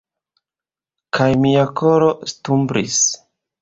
Kaj mia koro stumblis.